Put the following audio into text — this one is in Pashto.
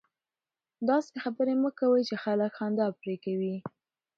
داسي خبري مه کوئ! چي خلک خندا پر کوي.